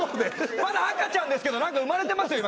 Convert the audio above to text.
まだ赤ちゃんですけど何か生まれてますよ